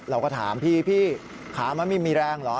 เราก็ถามพี่พี่ขามันไม่มีแรงเหรอ